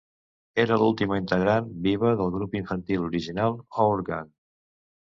Era l'última integrant viva del grup infantil original "Our Gang".